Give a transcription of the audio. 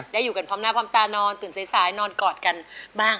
อยู่กันพร้อมหน้าพร้อมตานอนตื่นสายนอนกอดกันบ้าง